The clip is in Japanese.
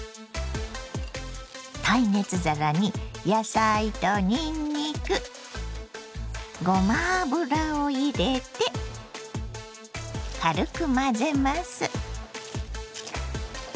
耐熱皿に野菜とにんにくごま油を入れて軽く混ぜます。